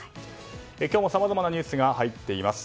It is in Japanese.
今日もさまざまなニュースが入っています。